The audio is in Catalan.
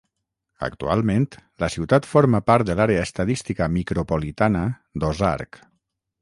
Actualment, la ciutat forma part de l'àrea estadística micropolitana d'Ozark.